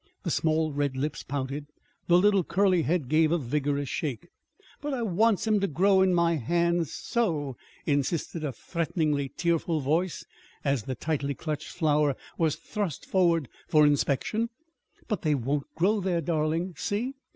The small red lips pouted. The little curly head gave a vigorous shake. "But I wants 'em to grow in my hands so," insisted a threateningly tearful voice, as the tightly clutched flower was thrust forward for inspection. "But they won't grow there, darling. See!